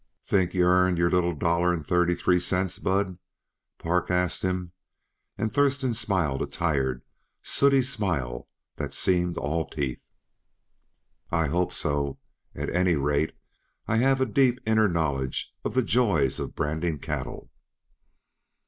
"Think yuh earned your little old dollar and thirty three cents, Bud?" Park asked him. And Thurston smiled a tired, sooty smile that seemed all teeth. "I hope so; at any rate, I have a deep, inner knowledge of the joys of branding cattle."